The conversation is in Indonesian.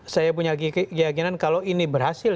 saya punya keyakinan kalau ini berhasil